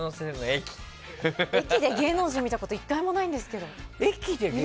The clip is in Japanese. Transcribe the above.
駅で芸能人見たこと１回もないんですけど。